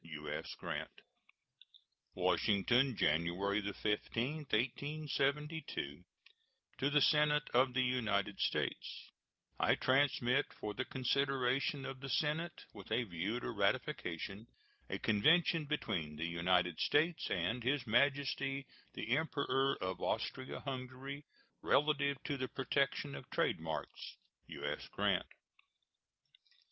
U.S. GRANT. WASHINGTON, January 15, 1872. To the Senate of the United States: I transmit, for the consideration of the Senate with a view to ratification, a convention between the United States and His Majesty the Emperor of Austria Hungary, relative to the protection of trade marks. U.S. GRANT.